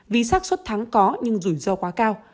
vì sắc xuất thắng có nhưng rủi ro quá cao